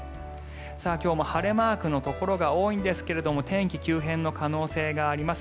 今日も晴れマークのところが多いんですが天気、急変の可能性があります。